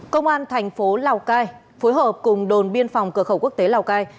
công an thành phố lào cai phối hợp cùng đồn biên phòng cửa khẩu quốc tế lào cai